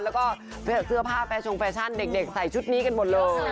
แล้วก็เสื้อผ้าแฟชงแฟชั่นเด็กใส่ชุดนี้กันหมดเลย